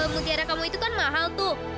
mutiara kamu itu kan mahal tuh